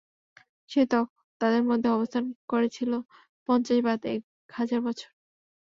সে তাদের মধ্যে অবস্থান করেছিল পঞ্চাশ বাদ এক হাজার বছর।